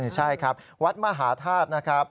ใช่ครับวัดมหาธาตุนะครับ